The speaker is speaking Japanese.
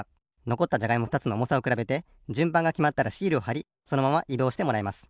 のこったじゃがいもふたつのおもさをくらべてじゅんばんがきまったらシールをはりそのままいどうしてもらいます。